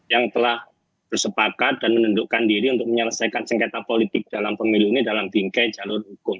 yang telah bersepakat dan menundukkan diri untuk menyelesaikan sengketa politik dalam pemilu ini dalam bingkai jalur hukum